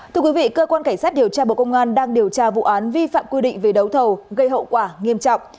thưa quý vị cơ quan cảnh sát điều tra bộ công an đang điều tra vụ án vi phạm quy định về đấu thầu gây hậu quả nghiêm trọng